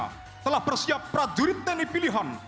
setelah bersiap prajurit tni pilihan